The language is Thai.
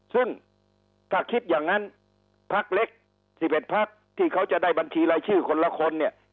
ซึ่งถ้าคิดอย่างนั้นพักเล็ก๑๑พักที่เขาจะได้บัญชีรายชื่อคนละคนเนี่ย